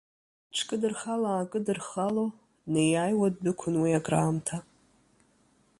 Иҽкыдырхала-аакыдырхало, днеиааиуа ддәықәын уи акраамҭа.